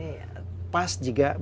pas juga berhadapan dengan alki dua